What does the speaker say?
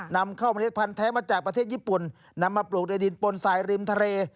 นำเข้าเมล็ดพันธ์แท้มาจากประเทศญี่ปุ่นนำมาปลูกในดินปนสายริมทะเล